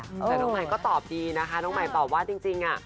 แต่น้องใหม่ก็ตอบดีนะคะน้องใหม่ตอบว่าจริงอ่ะ